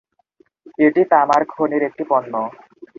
এটি তামার খনির একটি পণ্য।